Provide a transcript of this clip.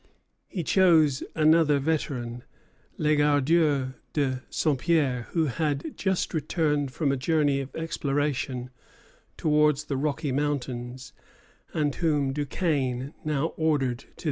He chose another veteran, Legardeur de Saint Pierre, who had just returned from a journey of exploration towards the Rocky Mountains, and whom Duquesne now ordered to the Ohio.